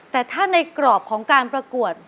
แต่ถ้าในกรอบของการประกวด